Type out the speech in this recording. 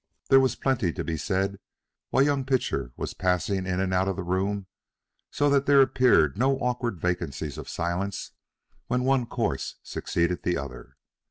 There was plenty to be said while young Pitcher was passing in and out of the room, so that there appeared no awkward vacancies of silence while one course succeeded the other.